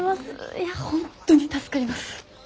いや本当に助かります。